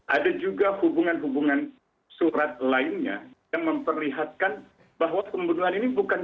ada juga hubungan hubungan surat lainnya yang memperlihatkan bahwa pembunuhan ini bukan